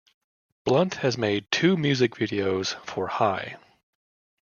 Blunt has made two music videos for "High".